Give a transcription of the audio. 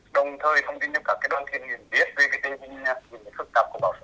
đồng thời thông tin cho các đoàn thiên nguyên biết về cái phương án phức tạp của bão số tám